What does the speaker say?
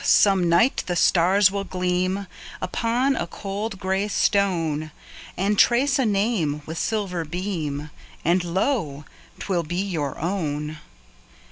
some night the stars will gleam Upon a cold, grey stone, And trace a name with silver beam, And lo! 'twill be your own.